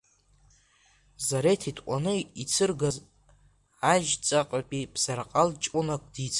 Зареҭ итҟәаны ицыргаз, Ажьҵакьатәи Бзаркал ҷкәынак дицын.